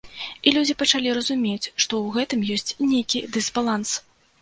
І людзі пачалі разумець, што ў гэтым ёсць нейкі дысбаланс.